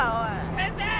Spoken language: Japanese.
先生！